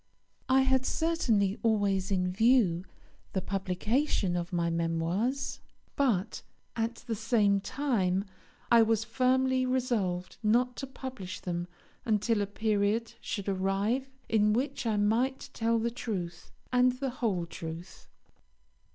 I had certainly always in view the publication of my Memoirs; but, at the same time, I was firmly resolved not to publish them until a period should arrive in which I might tell the truth, and the whole truth.